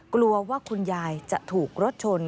กลัวว่าคุณยายจะถูกรถชน